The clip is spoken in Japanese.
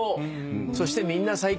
そしてみんな最高。